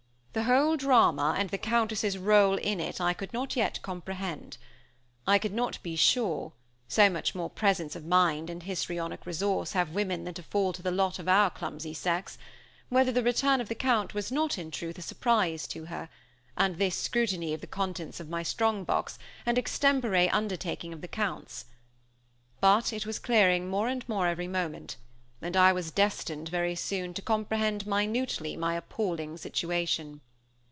The whole drama, and the Countess's rôle in it, I could not yet comprehend. I could not be sure so much more presence of mind and histrionic resource have women than fall to the lot of our clumsy sex whether the return of the Count was not, in truth, a surprise to her; and this scrutiny of the contents of my strong box, an extempore undertaking of the Count's. But it was clearing more and more every moment: and I was destined, very soon, to comprehend minutely my appalling situation.